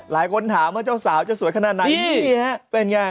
รายคนถามว่าเจ้าสาวจะสวยขนาดไหน